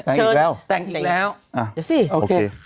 เชิญแต่งอีกแล้วเดี๋ยวสิโอเค